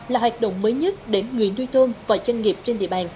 là hoạt động mới nhất để người nuôi tôm và doanh nghiệp trên địa bàn